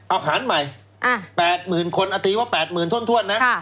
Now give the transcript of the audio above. อาหารใหม่๘๐๐๐คนอาตีว่า๘๐๐๐ถ้วนนะ